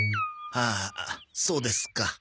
はあそうですか。